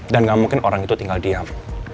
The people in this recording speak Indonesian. dan gak mungkin orang itu tinggal diam